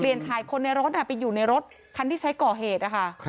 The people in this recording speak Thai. เรียนขายคนในรถไปอยู่ในรถคันที่ใช้ก่อเหตุ